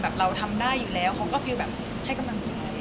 เราทำได้อยู่แล้วเขาก็ฟิลแบบให้กำลังใจ